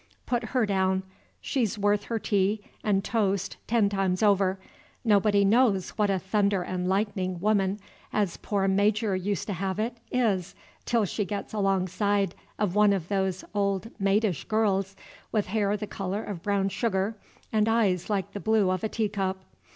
Put her down, she 's worth her tea and toast ten times over, nobody knows what a "thunder and lightning woman," as poor Major used to have it, is, till she gets alongside of one of those old maidish girls, with hair the color of brown sugar, and eyes like the blue of a teacup.